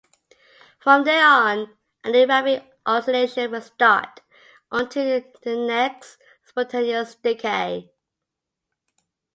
From there on, a new Rabi oscillation will start until the next spontaneous decay.